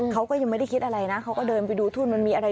เขาก็ยังไม่ได้คิดอะไรนะเขาก็เดินไปดูทุ่นมันมีอะไร